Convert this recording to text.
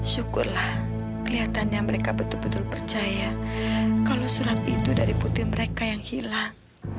syukurlah kelihatannya mereka betul betul percaya kalau surat itu dari putri mereka yang hilang